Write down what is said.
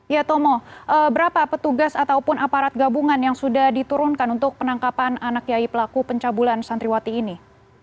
ya tomo berapa petugas ataupun aparat gabungan yang sudah diturunkan untuk penangkapan anak yai pelaku pencabulan santriwati ini